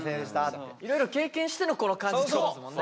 いろいろ経験してのこの感じってことですもんね。